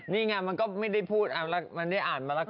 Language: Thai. นี่ไงมันก็ไม่ได้พูดมันได้อ่านมาแล้วก็